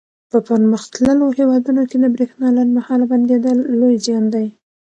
په پرمختللو هېوادونو کې د برېښنا لنډ مهاله بندېدل لوی زیان دی.